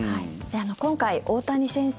今回、大谷先生